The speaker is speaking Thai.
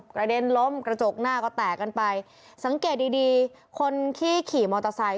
กระเด็นล้มกระจกหน้าก็แตกกันไปสังเกตดีดีคนที่ขี่มอเตอร์ไซค